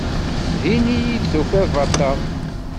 Din iyi-d tufiḍ bateɣ.